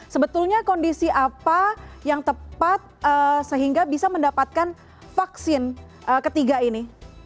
sebetulnya kondisi apa yang tepat sehingga bisa mendapatkan vaksin ketiga ini